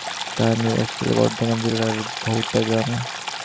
তাঁহার নিবাস ছিল বর্ধমান জেলার ভৈটা গ্রামে।